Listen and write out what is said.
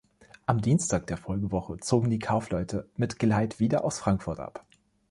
Ab Dienstag der Folgewoche zogen die Kaufleute mit Geleit wieder aus Frankfurt ab.